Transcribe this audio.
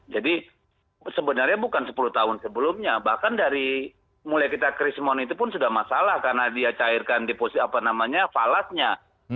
jadi sebenarnya bukan sepuluh tahun sebelumnya bahkan dari mulai kita kerismon itu pun sudah masalah karena dia cairkan di posisi apa namanya falasnya